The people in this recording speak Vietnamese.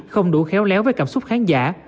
không đủ khéo léo với cảm xúc khán giả